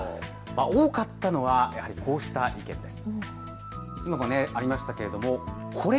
多かったのはこうした意見です。